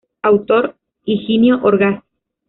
Autor: Higinio Orgaz.